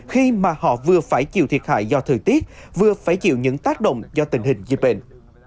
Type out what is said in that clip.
khi mà họ vừa phải chịu thiệt hại do thời tiết vừa phải chịu những tác động do tình hình dịch bệnh